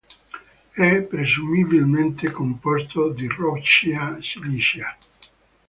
È presumibilmente composto di roccia silicea.